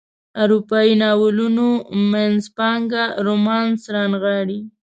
اروپایي ناولونو منځپانګه رومانس رانغاړي.